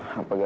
satu dua tiga